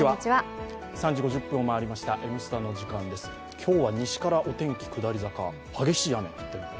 今日は西からお天気下り坂、激しい雨が降っている。